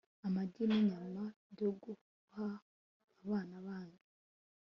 amagi ninyama byo guha abana banyu